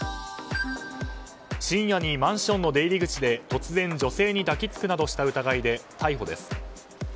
深夜にマンションの出入り口で突然、女性に抱き付くなどした疑いで逮捕です。